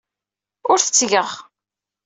Ur t-ttgeɣ.